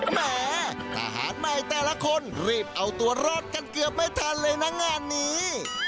แหมทหารใหม่แต่ละคนรีบเอาตัวรอดกันเกือบไม่ทันเลยนะงานนี้